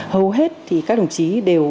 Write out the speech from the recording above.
hầu hết thì các đồng chí đều